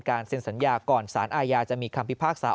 เซ็นสัญญาก่อนสารอาญาจะมีคำพิพากษา